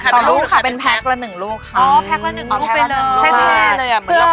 ขายต่อลูกค่ะเป็นแพ็กละ๑ลูกค่ะอ๋อแพ็กละ๑ลูกเป็นเลย